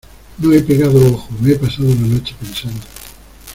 no he pegado ojo. me he pasado la noche pensando